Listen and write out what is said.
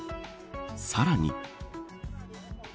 さらに。